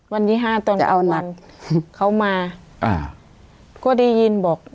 วันที่ห้าตอนจะเอาหนิของเขามาเค้าดียินบอก